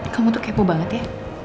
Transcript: kamu tuh kepo banget ya